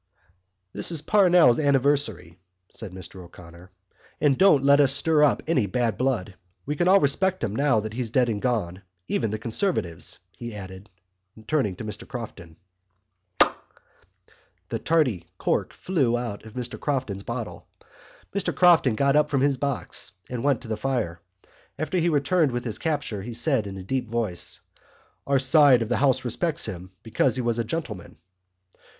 "This is Parnell's anniversary," said Mr O'Connor, "and don't let us stir up any bad blood. We all respect him now that he's dead and gone—even the Conservatives," he added, turning to Mr Crofton. Pok! The tardy cork flew out of Mr Crofton's bottle. Mr Crofton got up from his box and went to the fire. As he returned with his capture he said in a deep voice: "Our side of the house respects him, because he was a gentleman."